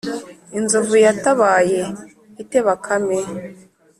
inzovu yatabaye ite bakame?